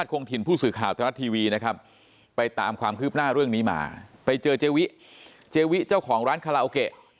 ทีวีนะครับไปตามความคืบหน้าเรื่องนี้มาไปเจอเจวิเจวิเจ้าของร้านคาราวเกะ